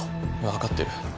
分かってる。